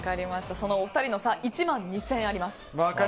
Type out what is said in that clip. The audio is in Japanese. そのお二人の差１万２０００円あります。